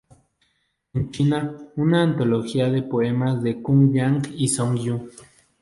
En China, una antología de poemas de Qu Yuan y Song Yu.